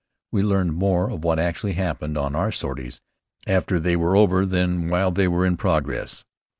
We learned more of what actually happened on our sorties, after they were over than while they were in progress.